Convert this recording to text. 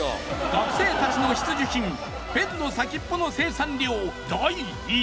学生たちの必需品ペンの先っぽの生産量第１位！